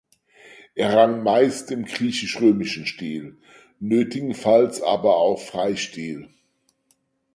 Er rang meist im griechisch-römischen Stil, nötigenfalls aber auch Freistil.